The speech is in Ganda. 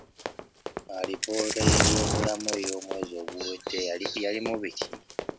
Alipoota y'ebyobulamu ey'omwezi oguwedde yalimu biki?